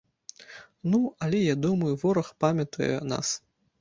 Ну, але я думаю, вораг памятуе нас.